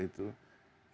itu sesuatu penghinaan